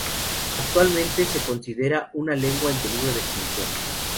Actualmente se considera una lengua en peligro de extinción.